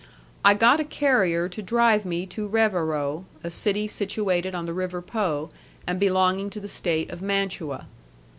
I got a carrier to drive me to Revero, a city situated on the river Po, and belonging to the state of Mantua.